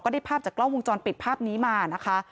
ได้ภาพจากกล้องวงจรปิดภาพนี้มานะคะ